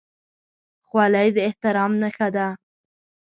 خولۍ د احترام نښه ده.